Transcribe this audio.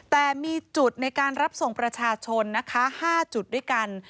แต่มีจุดในการรับส่งประชาชนนะคะ๕จุดด้วยกัน